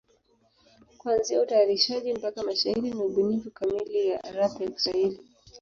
Kuanzia utayarishaji mpaka mashairi ni ubunifu kamili ya rap ya Kiswahili.